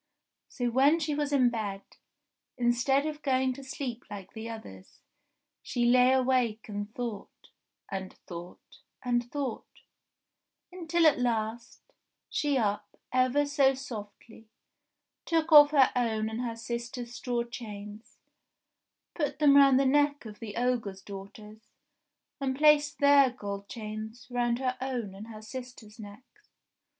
So when she was in bed, instead of going to sleep like the others, she lay awake and thought, and thought, and thought ; until at last she up ever so softly, took off her own and her sisters' straw chains, put them round the neck of the ogre's daughters, and placed their gold chains round her own and her sisters' necks.